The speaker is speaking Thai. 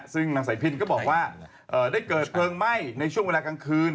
ซึ่งนางสายพินก็บอกว่าได้เกิดเพลิงไหม้ในช่วงเวลากลางคืน